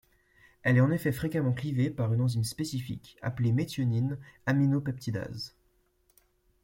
Elle est en effet fréquemment clivée par une enzyme spécifique appelée méthionine aminopeptidase.